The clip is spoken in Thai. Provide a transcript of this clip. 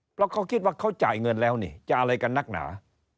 เพราะเขาคิดว่าเขาจ่ายเงินแล้วนี่จะอะไรกันนักหนา